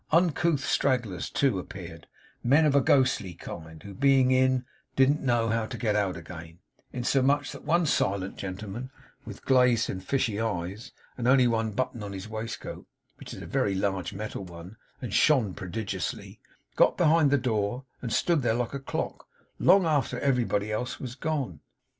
Uncouth stragglers, too, appeared; men of a ghostly kind, who being in, didn't know how to get out again; insomuch that one silent gentleman with glazed and fishy eyes and only one button on his waistcoat (which was a very large metal one, and shone prodigiously), got behind the door, and stood there, like a clock, long after everybody else was gone.